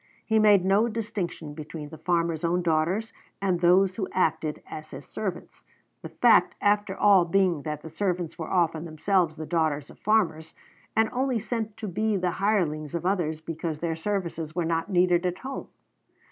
"He made no distinction between the farmer's own daughters and those who acted as his servants, the fact after all being that the servants were often themselves the daughters of farmers, and only sent to be the hirelings of others because their services were not needed at home."